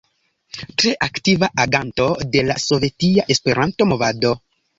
Tre aktiva aganto de la Sovetia Esperanto-movado.